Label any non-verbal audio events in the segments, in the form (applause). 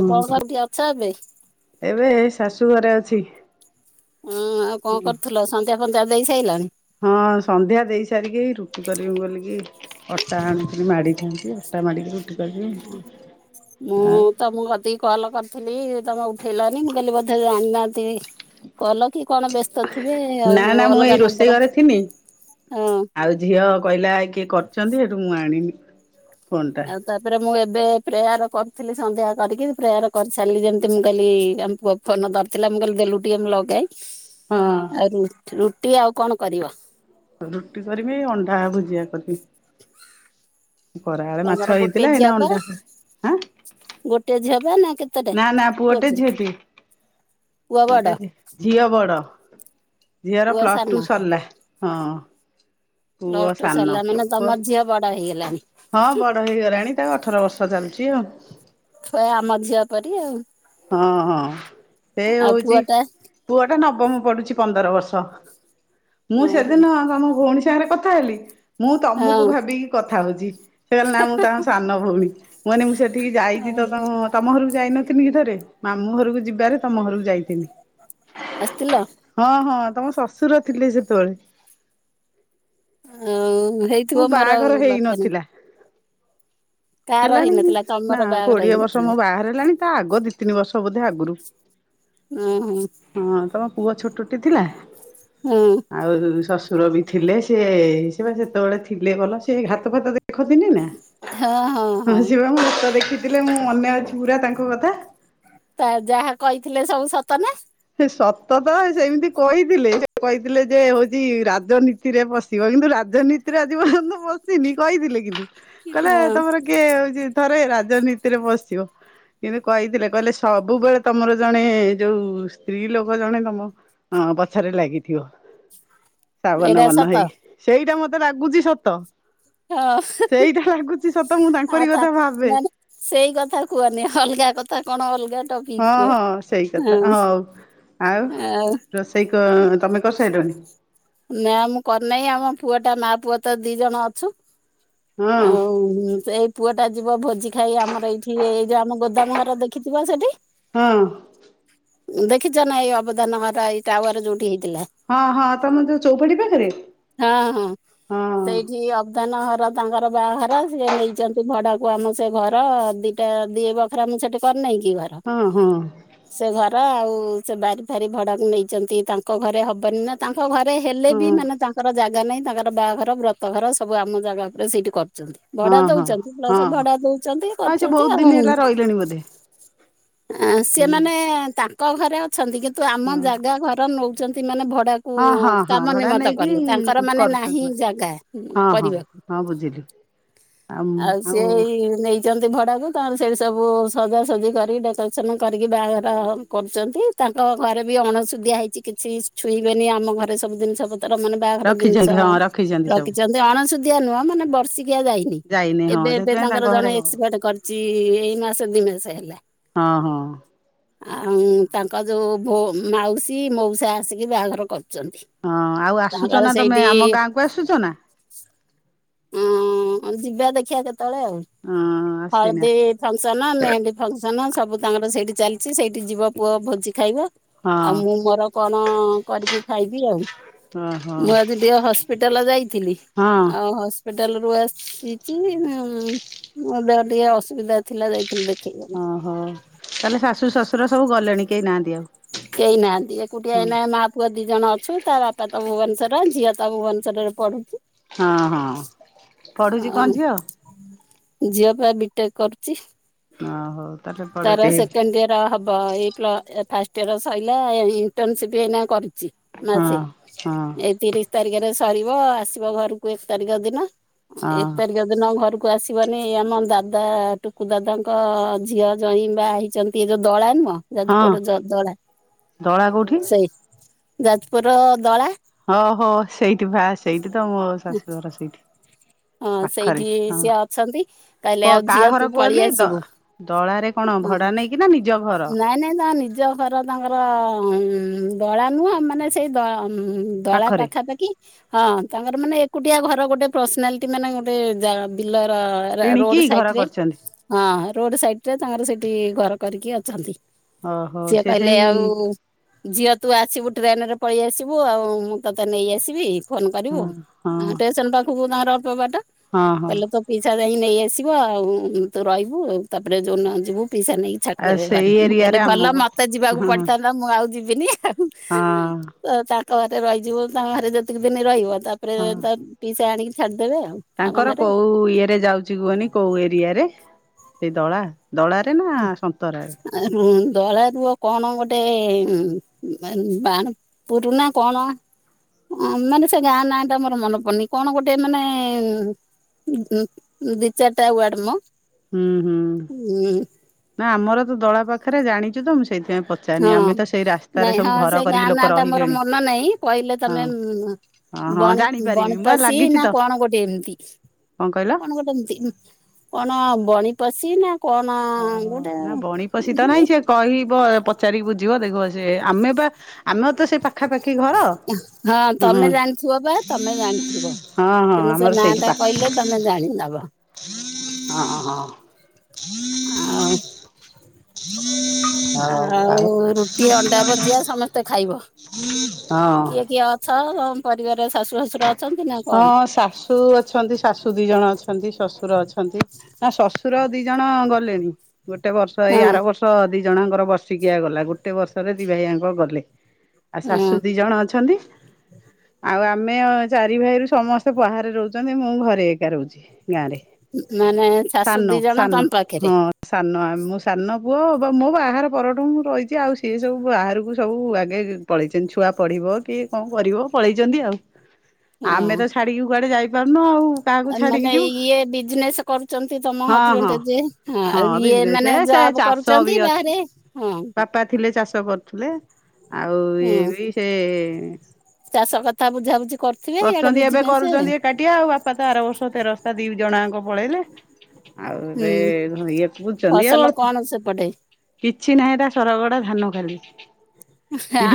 ଆଉ କଣ କଉଠି ଅଛ ଏବେ। ଏବେ ଶାଶୁ ଘରେ ଅଛି। ଆଉ କଣ ହଁ କରୁଥିଲ ସନ୍ଧ୍ୟା ଫନ୍ଧ୍ୟା ଦେଇ ସାରିଲାଣି ହଁ ସନ୍ଧ୍ୟା ଦେଇ ସାରିକି ରୁଟି କରିବି କୋଲିକି ଅଟା ଆଣିଥିଲି ମାଡ଼ିଥାନ୍ତି ଅଟା ମାଡ଼ିକିରି ମୁଁ ତମୁ କତିକି କଲ କରିଥିଲି। ତମେ ଉଠେଇଲନି ମୁଁ କାଲି (unintelligible) ଆଣି ନାହାନ୍ତି। କଲ କି କଣ ବ୍ୟସ୍ତ ଥିବେ ନା ଆଉ ନା ମୁଁ ଏଇ ଅଲଗା ରୋଷେଇ ନମ୍ବର ଘରେ ଥିନି ହଁ ଆଉ ଝିଅ କହିଲା କିଏ କରୁଛନ୍ତି ସେଇଠୁ ମୁଁ ଆଣିନି। ଫୋନ୍ ଟା। ଆଉ ତାପରେ ମୁଁ ଏ ଏବେ ପ୍ରେୟାର କରିଥିଲି ସନ୍ଧ୍ୟା କରିକି ପ୍ରେୟାର କରିସାରିଲି ଯେମିତି ମୁଁ କାଲି ଆମ ପୁଅ ଫୋନ ଧରିଥିଲା। ମୁଁ କହିଲି ଦେଲୁ ଟିକେ ମୁଁ ଲଗାଏ ହଁ ଆଉ ରୁଟି ଆଉ କଣ କରିବ। ରୁଟି କରିବି ଅଣ୍ଡା ଭୁଜିଆ କରିବି। ଖରାବେଳେ ତମର ମାଛ ଗୋଟେ ହେଇଥିଲା ଝିଅ ଏଇନା ପା ଅଣ୍ଡା ଗୋଟେ ଝିଅ ପା ନା କେତେଟା ନା ନା ପୁଅଟେ ଝିଅ ଟିଏ। ପୁଅ ଟେ ଝିଅ ବଡ। ଝିଅର ପୁଅ ପ୍ଲସ୍ ସାନ ଟୁ ସାରିଲା ହଁ। ପ୍ଲସ ପୁଅ ଟୁ ସାନ ସରିଲା ମାନେ ତମ ପୁଅ ଝିଅ ବଡ ହେଇଗଲାଣି ହଁ ବଡ ହେଇଗଲାଣି ତାକୁ ଅଠର ବର୍ଷ ଚାଲୁଚି ଆଉ। ପୁରା ଆମ ଝିଅ ପରି ଆଉ। ହଁ ହଁ ଏ ଆଉ ହଉଛି ପୁଅ ଟା ପୁଅଟା ନବ ବମ ପଡୁଚି ପନ୍ଦର ବର୍ଷ ମୁଁ ଓହୋ ସେଦିନ ତମ ଭଉଣୀ ସାଙ୍ଗରେ କଥା ହେଲି ମୁଁ ତମକୁ ହଁ ଭାବିକି କଥା ହଉଛି ସେ କଇଲେ ନା ମୁଁ ତାଙ୍କ ସାନ ଭଉଣୀ ମୁଁ କଇନି ମୁଁ ସେଠିକି ଯାଇଚି ହଁ ତ ତମ ଘରକୁ ଯାଇ ନଥିଲିକି ଥରେ ମାମୁଁ ଘରକୁ ଯିବାରେ ତମ ଘରକୁ ଯାଇଥିନି। ଆସିଥିଲ ହଁ ହଁ ତମ ଶ୍ୱଶୁର ଥିଲେ ସେତେବେଳେ। ଆଉ ମୋ ହେଇଥିବ ମୋର ବାହାଘର ଆଉ ଲକ୍ଷେ ନାଇ। ହେଇନଥିଲା ହେଲାଣି ନା ତମର ବାହାଘର କୋଡିଏ ବର୍ଷ ହେଇନଥିଲା ମୁଁ ବାହହାର ହେଲାଣି ତା ଆଗ ଦି ତିନି ବର୍ଷ ବୋଧେ ଆଗ ଗୁରୁ ଉଁ ହୁଁ। ପୁଅ ଛୋଟଟେ ଥିଲା ହୁଁ ଆଉ ଶସ୍ ସୁର ବି ଥିଲେ ସେ ସେ ପା ସେତେବେଳେ ଥିଲେ ଭଲ। ସେ ଘାତ ଫାତ ଦେଖନି ନା ହଁ ସିଏ ପା ମୋ ହାତ ଦେଖିଥିଲେ ମୋ ମନେ ଅଛି। ପୁରା ତାଙ୍କ କଥା। ତା ଯାହା କହିଥିଲେ ସବୁ ସତ ନା? ସେ ସତ ତ ସେମିତି କହିଥିଲେ ସେ କହିଥିଲେ ଯେ ହୋଉଚି ରାଜନୀତିରେ ପଶିବ କିନ୍ତୁ ରା ଜନୀତିରେ ଆଜି ପର୍ଯ୍ୟନ୍ତ ବସିନି କହିଥିଲେ କିନ୍ତୁ କହିଲେ ହଁ ତମର କିଏ ହୋଉଚି ଥରେ ରାଜନୀତିରେ ପସିବ। କିନ୍ତୁ କହିଥିଲେ କହିଲେ ସବୁବେଳେ ତମର ଜଣେ ଯୋଉ ସ୍ତ୍ରୀ ଲୋକ ଜଣେ ତମ ଅ ପଛରେ ଲାଗିଥିବ। ସାବନ ଏଇଟା ବର୍ଣ୍ଣ ସତ ହେଇକି ସେଇଟା ମତେ ଲାଗୁଚି ସତ। ହଁ। ସେଇଟା ଲାଗୁଛି ସତ ମୁଁ ଆଉ ତାଙ୍କରି ତା କଥା ଭାବେ ମାନେ ସେଇ କଥା କୁହନି ଅଲଗା କଥା କଣ ଅଲଗା ଟପିକ ହଁ କୁହ ହଁ ସେଇ କଥା ହଁ ହଉ। ଆଉ ରୋଷେଇ କ ତମେ କରିସାଇଲଣି? ନା ମୁଁ କରିନେଇ ଆମ ପୁଅ ଟା ମା ପୁଅ ତ ଦିଇ ଜଣ ଅଛୁ। ହଁ ଆଉ ଉଁ ସେଇ ପୁଅଟା ଯିବ ଭୋଜି ଖାଇ ଆମର ଏଇଠି ଏଇ ଯୋଉ ଆମ ଗୋଦାମ ଘର ଦେଖିଥିବ ସେଠି? ହଁ। ଦେଖିଚ ନା ଏଇ ଅବଦାନ ଘର ଏଇ ଟାୱାର ଯୋଉଠି ହେଇ ଥିଲା ହଁ ହଁ ତମ ଯୋଉ ଚଉପାଢୀ ପାଖରେ ହଁ ହଁ ହଁ ସେଇଠି ଅବ ନ ଘର ତାଙ୍କର ବାହାଘର ସିଏ ନେଇଚନ୍ତି। ଭଡାକୁ ଆମ ସେ ଘର ଦିଇଟା ଦିଇ ବଖରା ମୁଁ ସେଠି କରିନେଇଁ କି ଘର ହଁ ହଁ ହଁ। ସେ ଘ ର ଆଉ ସେ ବାରି ଫାରି ଭଡାକୁ ନେଇଚନ୍ତି ତାଙ୍କ ଘରେ ହବନି ନା ତାଙ୍କ ଘରେ ହେଲେ ବି ହଁ ମାନେ ତାଙ୍କର ଜାଗା ନାହିଁ ତାଙ୍କର ବାହାଘର ବ୍ରତ ଘର ସବୁ ଆମ ଜାଗା ଉପରେ ସେଇଠି କର ଚନ୍ତି ଭଡା ହଁ ଦୋଉଚନ୍ତି ହଁ ପ୍ଲସ ଭଡା ଦୋଉଚନ୍ତି ହଁ ସେ କରୁଚନ୍ତି ବହୁତ ଦିନ ଆଉ। ହେଲା ରହିଲେଣି ବୋଧେ। ଆ ସିଏମାନେ ତାଙ୍କ ଘରେ ଅଛନ୍ତି କିନ୍ତୁ ଆମ ଜାଗା ଘର ନୋଉଚନ୍ତି ମାନେ ଭ ଗୁଡାକୁ ହଁ ହଁ ହଁ କାମ ଭଡା ନିମତ ନେଇକି କଲେ ତାଙ୍କର ମାନେ କରୁଛନ୍ତି ନାହିଁ ବା ଜାଗା। ହଁ ହଁ କରିବାକୁ ହଁ ବୁଝିଲି ଆଉ ସିଏ ଏଇ ନେଇ ଚନ୍ତି ଭଡାକୁ ତାଙ୍କର ସେଇଠି ସବୁ ସଜାସଜି କରି ଡେକୋରେସନ କରିକି ବାହାଘର କରୁଚନ୍ତି। ତା ତାଙ୍କ ଘରେ ବି ଅଣ ସୁୁଧଆ ହେଇଚି କିଛି ଛୁଇଁବେନି ଆମ ଘରେ ସବୁ ଜିନିଷ ପତ୍ ତାର ମାନେ ବାହାଘର ଜିନିଷ ରଖିଛନ୍ତି ହଁ ରଖିଛନ୍ତି ସବୁ ରଖିଚନ୍ ସୁଧିଆ ନୁହଁ ମାନେ ବର୍ଷିକିଆ ଯାଇନି। ହଁ ଏବେ ଏବେ ସେଥିପାଇଁ ତାଙ୍କ ତାଙ୍କର ଘରେ ଜଣେ ଏକ୍ସପାର୍ଟ କରିଚି ଏଇ ମାସ ଦିଇ ମାସ ହେଲା। ହଁ ହଁ। ଆଉ ତାଙ୍କ ଯୋଉ ଭୋ ମାଉସୀ ମୋଉସା ଆସିକି ବାହାଘର କର ଛନ୍ତି। ହଁ ଆଉ ତାହା ଆସୁଛ ନା କାଳେ ତମେ ସେଇଠି ଆମ ଗାଁକୁ ଆସୁଛ ନା ହୁଁ ଯିବା ଦେଖିବା କେତ ଅଳେ ଆଉ ହଁ ଆସିନା ହଳଦୀ ଫଙ୍କସନ, ମେହେନ୍ଦୀ ଫଙ୍କସ ସନ୍ ସବୁ ତାଙ୍କର ସେଇଠି ଚାଲିଚି ସେଇଠି ଯିବ ପୁଅ ଭୋଜି ଖାଇବ। ଆଉ ହଁ ମୁଁ ମୋର କଣ କରିକି ଖାଇବି ଆଉ। ଓହୋ ମୁଁ ଆଜି ଟିକେ ହସ୍ପିଟାଲ ଯାଇଥିଲି। ହଁ ଆଉ ହସ୍ପିଟାଲ ରୁ ଆସିଚି। ହୁଁ ମୋ ଦେହ ଟିକେ ଅସୁବିଧା ଥିଲା। ଯାଇଥିଲି ଦେଖି ଓହୋ ତାହେଲେ ଶାଶୁ ଶ୍ୱଶୁର ସବୁ ଗଲେଣି, କେହି ନାହାନ୍ତି ଆଉ? କେହି ନାହାନ୍ତି ଏକୁଟିଆ ହଁ ଏଇନା ମା ପୁଅ ଦି ଜଣ ଅଛୁ ତା ବାପା ତ ଭୁବନେଶର ଝିଅ ତା ଭୁବନେଶରରେ ପଢୁଚି। ହଁ ହଁ ପଢୁଚି ଆଉ କଣ ଝିଅ? ଝିଅ ପାଇଁ ବିଟେକ୍ କରୁଚି। ଓ ହଉ। ତାର ସେକେଣ୍ଡ ୟଅର ହ ବ। ଏଇ ପ୍ଳ ଫାଷ୍ଟ ଇୟର ସଇଲା। ଇଣ୍ଟର୍ନସିପ୍ ଏଇନା କରି ଚି ହଁ ମାସେ। ହଁ ଏଇ ତିରିଶ ତାରିଖରେ ସରିବ ଆସିବ ଘରକୁ ଏକ ତାରିଖ ଦିନ। ହଁ ଏକ ତାରିଖ ଦିନ ଘରକୁ ଆସିବନି, ଆମ ଦାଦା ଟୁକୁ ଦାଦାଙ୍କ ଝିଅ ଜୋଇଁ ବାହା ହେଇଚନ୍ତି ଏ ଯୋଉ ଦଳା ନୁହଁ ହଁ ଯାଜପୁର ଯ ଦଳା ଦଳା କୋଉଠି ସେଇ ଯାଜପୁରର ଦଳା ହଁ ହୋ ସେଇଠି ବା ସେଇଠି ତ ମୋ ଶାଶୁ ଘର ସେଇଠି। ହଁ ପାଖରେ ସେଇଠି ହଁ ସିଏ ଅଛନ୍ତି। କ କହିଲେ ଆଉ କାହା ଝିଅ ଘର ତୁ ପଳେଇ କୁହଲି ଦ ଆସିବୁ। ଦଳାରେ କଣ ହଁ ଭଡା ନେଇକି ନା ନିଜ ଘର ନାଇଁ ନାଇଁ ନା ନିଜ ଘର ତାଙ୍କର ଉଁ ଦଳା ନୁହଁ ମାନେ ସେଇ ଦ ଦଳା ପାଖରେ ପାଖାପାଖି ହଁ ତାଙ୍କର ମାନେ ଏକୁଟିଆ ଘର ଗୋଟେ ପର୍ସନାଲିଟି ମାନେ ଗୋଟେ ଜା ବିଲ ର ର-ର-ରୋଡ କିଣିକି ଘର ସାଇଡରେ କରିଛନ୍ତି ହଁ ରୋଡ ସାଇଟରେ ତାଙ୍କର ସେଇଠି ଘର କରିକି ଅଛନ୍ତି। ଓହୋ ସିଏ ସେ କହିଲେ ସେଇ ଆଉ ଝିଅ ତୁ ଆସିବୁ ଟ୍ରେନରେ ପଳେଇ ଆସିବୁ ଆଉ ମୁଁ ତୋତେ ନେଇଆସିବି ଫୋନ କରିବୁ ହଁ ଆ ଷ୍ଟେସନ ପାଖକୁ ତାଙ୍କ ରୁ ଅଳ୍ପ ବାଟ, ହଁ ହଁ କହଲେ ତ ପିଇସା ଇଁ କି ନେଇ ଆସିବ ଆଉ ତୁ ରହିବୁ ଆଉ ତାପରେ ଯୋଉ ଦିନ ଯିବୁ ପିଇସା ନେଇକି ଛାଡି ଆଉ ଦେବେ ସେଇ ଘରେ। ମୁଁ କହିଲେ ଏରିଆରେ ଭଲ ଆମକୁ ମତେ ଯିବାକୁ ହଁ ହଁ ପଡିଥାନ୍ତା ମୁଁ ଆଉ ଯିବିନି ଆଉ। ତ ତାଙ୍କ ଘରେ ରହିଯିବ। ତାଙ୍କ ବାରେ ଯେତିକି ଦିନି ରହିବ ତାପରେ ହଁ ତା ପିଇସା ଆଣିକି ଛାଡିଦେବେ। ଆଉ। ଆମ ତାଙ୍କର ଘରେ କୋଉ ଇଏରେ ଯାଉଚି କୁହନି କୋଉ ଏରିଆରେ ସେଇ ଦଳା। ଦଳାରେ ନା ସନ୍ତରାରେ? ଦଳା ରୁଅ କଣ ଗୋଟେ ବା ବାଣପୁର ନା କଣ! ମାନେ ସେ ଗାଁ ନାଁ ଟା ମର ମନେ ପଡୁନି, କଣ ଗୋଟେ ମାନେ ଉଁ ଦି ଚାରିଟା ୱାର୍ଡ ମ। ହୁଁ ହୁଁ ନା ଆମର ତ ଦଳା ପାଖରେ ଜାଣିଚୁ ତ ମୁଁ ସେଇଥିପାଇଁ ହଁ ପଚାରନି ଆମେ ତ ସେଇ ରାସ୍ତାରେ ନାଇଁ ସବୁ ହଁ ଘର ସେ ଗାଁ କରିକି ଲୋକ ନା ଟା ମୋର ରହିଲେଣି ମନେ ନାହିଁ କହିଲେ ହଁ ତମେ ହଁ ହଁ ବଣି ଜାଣିପାରିବି ବା ବଣିପଶୀ ଲାଗିଛି ନା ତ କଣ ଗୋଟେ ଏମିତି? କଣ ଗୋଟେ ଏମତି, କଣ ବଣି ପଶି ନା କଣ ଓହୋ ଗୋଟେ ନା ବଣୀ ପଶି ତ ନାହିଁ ସେ କହିବ ପଚାରିକି ବୁଝିବ ଦେଖିବ ସେ ଆମେ ବା ଆମର ତ ସେ ପାଖାପାଖି ଘର ହଁ ହୁଁ ତମେ ଜାଣିଥିବ ବା ଜାଣିଥିବ ହଁ ହଁ। ତମେ ସେ ଆମର ନାଁ ସେଇଠି ଟା ପାଖ କହିଲେ ତମେ ଜାଣିଦବ। ହଁ ହ। ଆଉ? ହଉ ଆଉ। ରୁଟି ଅଣ୍ଡା ଭଜିଆ ସମସ୍ତେ ଖାଇବ ହଁ। ହଁ ହଁ ପରିବାର ଶାଶୁ ଶଶୁର ହଁ ଶାଶୁ ଅଛନ୍ତି। ଶାଶୁ ଦି ଜଣ ଅଛନ୍ତି ଶଶୁ ଶଶୁର ଅଛନ୍ତି ଆ ଶଶୁର ଦିଇ ଜଣ ଗଲେଣି ଗୋଟେ ବର୍ଷ ଏଇ ହଁ ଆର ବର୍ଷ ଦିଇ ଜଣଙ୍କର ବର୍ଷିକିଆ ଗଲା ଗୋଟେ ବର୍ଷରେ ଦିଇ ଭାଇଆଙ୍କ ଗଲେ। ଆଉ ଶାଶୁ ହଁ ଦିଇ ଜଣ ଅଛନ୍ତି। ଆଉ ଆମେ ଚାରି ଦିଇ ଭାଇରୁ ସମସ୍ତେ ବାହାରେ ରୋହୁଚନ୍ତି ମୁଁ ଘରେ ଏକା ରୋହୁଚି। ଗାଁରେ ମାନେ ଶାଶୁ ସାନ ଦି ଜଣ ସାନ ତମ ପାଖରେ ହଁ ସାନ ଆମ ମୋ ସାନ ପୁଅ ବା ମୋ ବାହାଘର ପରଠୁଁ ମୁଁ ରହିଚି ଆଉ ସିଏ ସବୁ ବାହାରକୁ ସବୁ ଆଗେ ପଳେଇଚନ୍ତି। ଛୁଆ ପଢିବ କି କଣ କରିବ ପଳେଇଚନ୍ତି ଆଉ। ଆମେ ତ ଛାଡିକି କୁଆଡେ ଯାଇପାରୁନୁ ଆଉ। କାହାକୁ ଆ ଛାଡିକି ମାନେ ଯିବୁ ଇଏ ବିଜିନେସ କରୁଚନ୍ତି ତମ ହଁ ହଁ ହଜବେଣ୍ଡ ଯେ ହଁ ଇୟେ ବିଜନେସ୍ ମାନେ ଆଈ ସେ ଚାଷ ବି ଅଛି ବାପା ଥିଲେ ଚାଷ କରୁଥିଲେ। ଆଉ ଇଏ ହୁଁ ବି ସେ ଚାଷ କଥା ବୁଝାବୁଝି କରୁଥିବେ ଇଆଡେ କରୁଚନ୍ତି ଏବେ ବିଜନେସ୍ କରୁଚନ୍ତି ଏକାଟିଆ ଆଉ ବାପା ତ ଆର ବର୍ଷ ତେରସ୍ତା ଦି ଜଣଆଙ୍କ ପଳେଇଲେ। ଆଉ ହୁଁ ଏବେ ଘ ଇଏ ବୁଝଚନ୍ତି ଆଉ ଫସଲ ଅଳପ କଣ ସେପଟେ କିଛି ନାହିଁ ଏଟା ସରଗଡା ଧାନ ଖାଲି।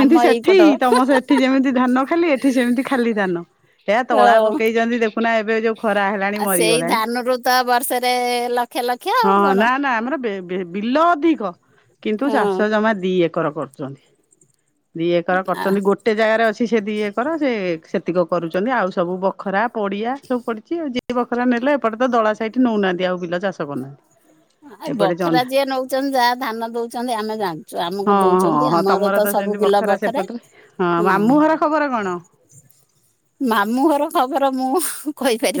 ଆମ ସେଠି ଏଇପଟ ତମ ସେ ସେଠି ଯେମିତି ଧାନ ଖାଲି ଏଠି ସେମିତି ଖାଲି ଧାନ ଏରା ହ ତଳା ଆଉ ପକେଇଚନ୍ତି ଦେଖୁନା ଏବେ ଯୋଉ ଖରା ହେଲାଣି ସେଇ ମରିଗଲାଣି ଧାନରୁ ତ ବର୍ଷରେ ଲକ୍ଷ ଲକ୍ଷ ଆଉ ହଁ କଣ ନା ନା ଆମର ବି ବିଲ ଅଧିକ କିନ୍ତୁ ଚାଷ ହଁ ଜମା ଦି ଏକର କରୁଚନ୍ତି। ଦିଏକର କରିଚନ୍ତି ଗୋଟେ ଜାଗାରେ ଅଛି ସେ ଦିଏକର ସେ ସେତିକ କରୁଚନ୍ତି ଆଉ ସବୁ ବଖରା ପଡିଆ ସବୁ ପଡିଚି ଆଉ ଯିଏ ବଖରା ନେଲେ ଏପଟେ ତ ଦଳା ସାଇଟ ନଉ ନାହାନ୍ତି ଆଉ ବିଲ ଚାଷ କରୁ ନାହାନ୍ତି। ଆ ଏ ବଖରା ଯିଏ ନଉଚନ୍ତି ଯାହା ଧାନ ଦଉଚନ୍ତି ଆମେ ଜାଣିଚୁ ହଁ ଆମକୁ ହଁ ଦଉଚନ୍ତି ହଁ ଆମର ତମର ତ ସବୁ ସେମିତି ବି ବଖରା ସେପଟରେ ହଁ ମାମୁଁ ଘର ଖବର କଣ? ମାମୁଁ ଘର ଖବର ମୁଁ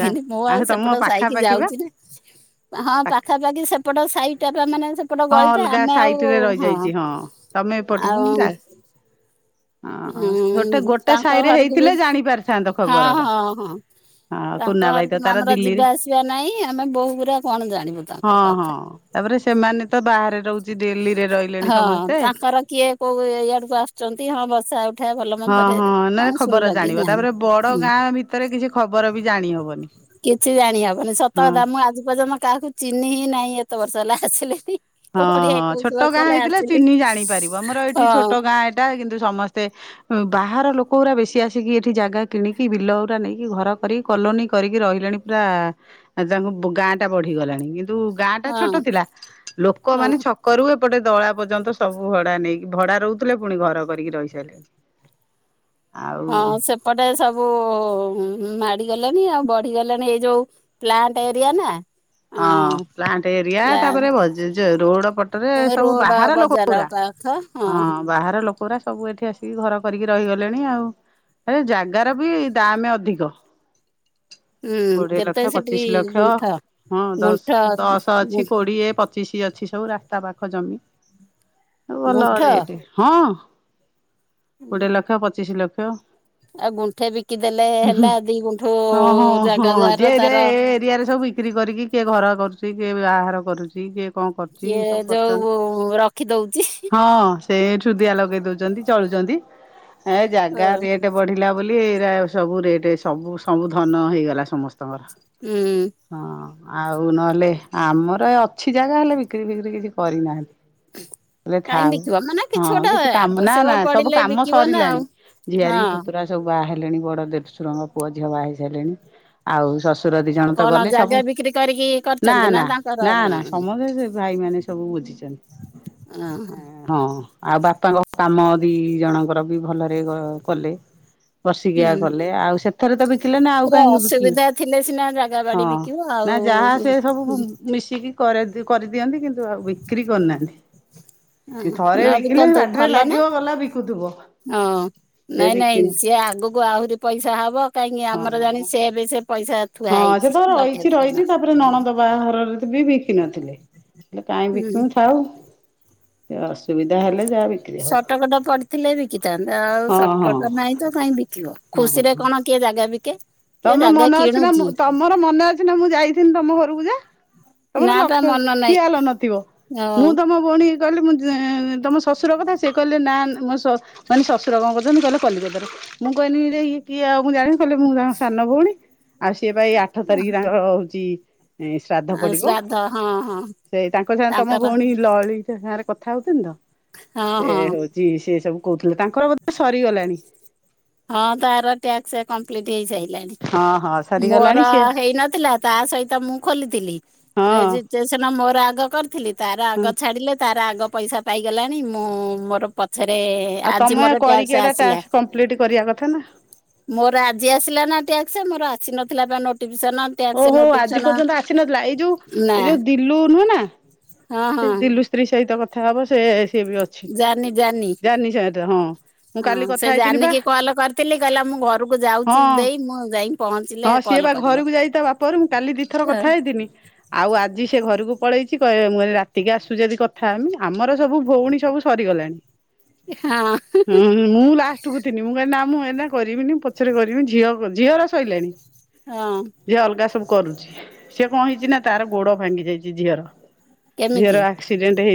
ଯା ମୁଁ ଆଉ ତମ ସେପଟ ସାଇକି ପାଖାପାଖି ବା। ଯାଉଚି ନା ହଁ ପାଖ ପାଖା ସେପଟ ସାଇ ଟା ପା ମାନେ ସେପଟ ହଁ ଗଳି ଟା ଅଲଗା ଆମେ ସାଇଟ୍ ଆଉ ରେ ହଁ ରହିଯାଇଛି ତମେ ଏପଟକୁ ମୁଁ ଯା ଆଉ ହଁ ଗୋଟେ ଅଁ ଗୋଟେ ତାଙ୍କ ସାହିରେ ଘରକୁ ବି ହେଇଥିଲେ ଜାଣି ପାରିଥାନ୍ତ ହଁ ଖବର ଟା। ହଁ ହଁ। ହଁ କୁନା ତାଙ୍କ ଭାଇ ତ ଘରକୁ ତାର ଆମର ଦିଲ୍ଲୀରେ। ଯିବା ଆସିବା ନାଇଁ ଆମେ ବୋହୁ ଗୁରା କଣ ଜାଣିବୁ ତାଙ୍କ ହଁ ହଁ କଥା। ତାପରେ ସେମାନେ ତ ବାହାରେ ରହୁଛି ଦିଲ୍ଲୀରେ ରହିଲେଣି ହଁ ସମସ୍ତେ ତାଙ୍କର କିଏ କୋଉ ଇଆଡକୁ ଆସୁଛନ୍ତି ହଁ ବସା ଉଠା ଭଲ ହଁ ମନ୍ଦରେ ହଁ ନଲେ କଣ ଶୁଣିଲ ଖବର କି ଜାଣିବ ଜାଣିଲ ତାପରେ ବଡ ହୁଁ ଗାଁ ଭିତରେ କିଛି ଖବର ବି ଜାଣି ହବନି। କିଛି ଜାଣିହବନି ସତ ହଁ କଥା ମୁଁ ଆଜି ପର୍ଯ୍ୟନ୍ତ କାହାକୁ ଚିହ୍ନିହିଁ ନାହିଁ ଏତେ ବର୍ଷ ହେଲା ଆସିଲିଣି। ହଁ କୋଡିଏ ହଁ ଏକୋଇଶି ଛୋଟ ବର୍ଷ ଗାଁ ହେଲା ହେଇଥିଲେ ଆସିଲି ଚିହ୍ନି ଜାଣିପାରିବ ଆମର ଏଇଠି ଛୋଟ ହଁ ଗାଁ ଏଇଟା କିନ୍ତୁ ସମସ୍ତେ ବାହାର ଲୋକ ଗୁରା ବେଶୀ ଆସିକି ଏଠି ଜାଗା କିଣିକି ବିଲ ଗୁରା ନେଇକି ଘର କରି କ କଲୋନୀ କରିକି ରହିଲେଣି ପୁରା ତାଙ୍କ ଗାଁ ଟା ବଢି ଗଲାଣି (unintelligible) ଗାଁ ଟା ଛୋଟ ହଁ ଥିଲା ହଁ ଲୋକମାନୋନେ ଛକ ରୁ ଏପଟେ ଦଳା ପର୍ଯ୍ୟନ୍ତ ସବୁ ଭଡା ନେଇକି ଭଡା ରହୁଥିଲେ ପୁଣି ଘର କରିକି ରହି ସାରିଲେଣି। ହଁ ସେପଟେ ସବୁ ହୁଁ ମାଡି ଗଲାଣି ଆଉ ବଢିଗଲାଣି ଏଇ ଯୋଉ ପ୍ଲାଣ୍ଟ ଏରିଆ ନା ହଁ ପ୍ଲାଣ୍ଟ ଏରିଆ ତାପରେ ପ୍ଲାଣ୍ଟ ରୋଡ ପଟରେ ସବୁ ରୋଡ ବାହାର ଲୋକ ବଜାର ପୁରା ପାଖ ହଁ ବାହାର ଲୋକ ପୁରା ସବୁ ଏଠି ଘର କରିକି ରହିଗଲେଣି ଆଉ ଏ ଜାଗାର ବି ଦାମେ ଅଧିକ। ହୁଁ କୋଡିଏ କେତେ ଲକ୍ଷ ସେଠି ପଚିଶି ଲକ୍ଷ। ଗୁଣ୍ଠ ହଁ ଗୁଣ୍ଠ ଦଶ ଦଶ ଅଛି କୋଡିଏ ପଚିଶ ଅ ଅଛି ସବୁ ରାସ୍ତା ପାଖ ଜମି ଭଲ ଗୁଣ୍ଠ ରେଟ ହଁ। କୋଡିଏ ଲକ୍ଷ ପଚିଶି ଲକ୍ଷ। ଆଉ ଗୁଣ୍ଠେ ବିକିଦେଲେ ହେଲା ଦି ଗୁଣ୍ଠୁ‌ ହଁ ହଁ ଜା ହଁ ଯିଏ ଏ ଏ ଏରିଆରେ ସବୁ ବିକ୍ରି କରିକି କିଏ ଘର କରୁଛି କିଏ ବାହାଘର କରୁଛି କିଏ କଣ କରୁଛି କିଏ ଏ ସବୁ କରିଛନ୍ତି ଯୋଉ ରଖିଦଉଛି ହଁ। ସେ ସୁୁଦିଆ ଲଗେଇ ଦଉଛନ୍ତି ଚଳୁଛନ୍ତି ଏ ଜାଗା ରେଟ ବଢିଲା ବୋଲି ଏଇ ସବୁ ରେଟ ସବୁ ସବୁ ଧନ ହେଇଗଲା ସମସ୍ତଙ୍କର ହୁଁ ହଁ ଆଉ ନହେଲେ ଆମର ଏ ଅଛି ଜାଗା ହେଲେ ବିକ୍ରି ଫିକ୍ରି କିଛି କରିନାହାନ୍ତି। ଲେ କାହିଁ ଥାଉ ବିକିବ ମାନେ ହଁ ଗୋଟେ କିଛି କାମ ନା ନା ଆବଶ୍ୟକ ସବୁ ପଡିଲେ କାମ ବିକିବ ନା ସରିଲାଣି ଆଉ ଝିଆରୀ ହଁ ପୁତୁରା ସବୁ ଵାଆହେ ଲେଣି ବଡ଼ ଦେଢଶୁର ଙ୍କ ପୁଅ ଝିଅ ବାହା ହୋଇସାରିଲେଣି ଆଉ ଶ ସୁର ଦି ଜଣ ତ କଣ ଗଲେ ଜାଗା ସବୁ ବିକ୍ରି କରିକି ନା କରିଛନ୍ତି ନା ତାଙ୍କର ନା ନା ସମସ୍ତେ ସେ ଭାଇ ମାନ ସବୁ ବୁଝିଛନ୍ତି। ହଁ ଆଉ ବାପାଙ୍କ କାମ ଦି ଜଣଙ୍କର ବି ଭଲରେ କ-କଲେ। ବର୍ଷିକିଆ କଲେ ଆଉ ସେଥିରେ ତ ବିକିଲେ ନା ଆଉ ପୁରା କାହିଁକି (unintelligible) ଅସୁବିଧା ଥିଲେ ସିନା ଜାଗା ବାଡି ହଁ ବିକିବ ନା ଆଉ ଯାହା ସେ ସବୁ ମିଶିକି କରେ କରିଦିଅନ୍ତି କିନ୍ତୁ ଆଉ ବିକ୍ରି କରୁନାହାନ୍ତି। ହଁ ଥରେ ବିକିଲେ ନବିକନ୍ତୁ ପାଟିରେ ଭଲ ନା। ଲାଗିବ ଗଲା ବିକୁଥିବ ହଁ ସେ ନାଇଁ ବିକି ନାଇଁ ସିଏ ଆଗକୁ ଆହୁରି ପଇସା ହବ। କାହିଁକି ହଁ ଆମର ଜାଣି ସେ ଏବେ ସେ ପଇସା ଥୁଆ ହଁ ସେ ହେଇଛି ତ ଲକ୍ଷେ ରହିଛି ଦି ଟଙ୍କା ରହିଛି ତାପରେ ନଣଦ ବାହାରରେ ବି ବିକିନଥିଲେ ହେଲେ କାହିଁ ହୁଁ ବିକମୁ ଥାଉ। ସୁବିଧା ହେଲେ ଯା ବିି ଶଟକଟ ପଡିଥିଲେ ବିକିଥାନ୍ତେ ଆଉ ହଁ ହଁ। ସଟକଟ ନାହିଁ ତ କାଇହିଁ ବିକିବ ହଁ ଖୁସି ରେ ହଁ। କଣ କିଏ ଜାଗା ବିକ ତମେ ମନେ ଅଛି ନା ମୁଁ ତମର ମନେ ଅଛି ନା ମୁଁ ଯାଇଥଥିଲି ତମ ଘରକୁ ଯା ତମର ନା ବା ଲକ୍ଷ ମନ ଖିଆ ନାହିଁ ହେଲ ନଥିବ ମୁଁ ହଁ ତମ ଭଉଣୀ କହିଲି ଉଁ ତମ ଶଶୁର କଥା ସିଏ କହିଲେ ନା ମୋ ସସ ଶଶୁର କଣ କରୁଛନ୍ତି କହିଲେ କଲିକତାରେ ମୁଁ କହିଲି ଇଏ କିଏ ଆଉ ମୁଁ ଜାଣି କଲେ ମୁଁ ଜାଣ (unintelligible) ସାନ ଭଉଣୀ ଆଉ ସିଏ ପାଇଁ ଆଠ ତାରିଖ ତାଙ୍କର ହଉଛି ଏ ଶ୍ରାଦ୍ଧ ପଡିବ ଶ୍ରାଦ୍ଧ ହଁ ହଁ ସେ ତାଙ୍କ ସାଙ୍ଗ ତମ ତାଙ୍କର ଭଉଣୀ ଲଳିତ ସାରେ କଥା ହଉଥିନି ତ ହଁ ହଁ ସେ ହଉଛି ସେ ସବୁ କହୁଥିଲେ ତାଙ୍କର ବୋଧେ ସରିଗଲାଣି। ହଁ ତାର ଟାସ୍କ କମ୍ପ୍ଲିଟ ହଁ ହଁ ହେଇଯାଇ ମୋର ସରିଗଲାଣି ସିଏ ହେଇନଥିଲା। ତା ସହିତ ମୁଁ ଖୋଲିଥିଲି। ହଁ ରେଜିଷ୍ଟ୍ରେସନ ମୋର ଆଗ କରିଥିଲି, ତାର ହଁ। ଆଗ ଛାଡିଲେ। ତାର ଆଗ ପଇସା ପାଇଗଲାଣି। ମୁଁ ମୋର ପଛରେ ଆଉ ଆଜି ତମେ ମୋର କରିକି ଟ୍ୟାକ୍ସ ଏଇଟା ଆସିଲା। ଟାସ୍କ କମ୍ପ୍ଲିଟ କରିବା କଥା ନା। ମୋର ଆଜି ଆସିଲା ନା ଟ୍ୟାକ୍ସ, ମୋର ଆସି ନଥିଲା ପା ନ ଓହୋ ଆଜି ପର୍ଯ୍ୟନ୍ତ ଆସିନଥିଲା? ଏଇ ଯୋଉ ନା ଏଇ ଯୋଉ ଦିଲୁ ନୁହେଁ ନା? ହଁ ସେ ହଁ ଦିଲୁ ସ୍ତ୍ରୀ ସହିତ କଥା ହବ ସେ ସିଏ ବି ଅଛି ଜାନି ଜାନି (unintelligible) ସେ ହଁ। ମୁଁ ହଁ କାଲି କଥା ସେ ହେଇଥିଲି ବା ଜାନିକି କଲ କରିଥିଲି କହିଲା ମୁଁ ଘରକୁ ହଁ ଯାଉଛି ଦେଇ ମୁଁ ଯାଇକି ପହଞ୍ଚିଲେ ହଁ ସିଏ କଲ୍ ବା କରିବ ଘରକୁ ଯାଇଛି। ତା ବାପଘରକୁ ମୁଁ କାଲି ଦିଥର ହଁ କଥା ହେଇଥିନି ଆଉ ଆଜି ସେ ଘରକୁ ପଳେଇଛି କହ ମୁଁ କହେ ରାତିକି ଆସୁଛି ଯଦି କଥାହେମି ଆମର ସବୁ ଭଉଣୀ ସବୁ ସରିଗଲାଣି। ହଁ। ଠକୁଥିଲି ମୁଁ କି ନା ମୁଁ ଏଇନା କରିବିନି ପଛରେ କରିବି। ଝିଅ ଝିଅର ସଇଲାଣି। ହଁ ଝିଅ ଅଲଗା ସବୁ କରୁଛି। ସିଏ କଣ ହେଇଛି ନା ତାର ଗୋଡ ଭାଙ୍ଗି ଯାଇଛି। ଝିଅର ଝିଅ କେମିତି? ଆକ୍ସିଡେଣ୍ଟ ହେଇ